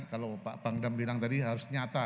kalau pak pangdam bilang tadi harus nyata